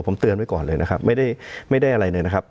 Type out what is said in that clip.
ผมเตือนไว้ก่อนเลยนะครับไม่ได้อะไรเลยนะครับ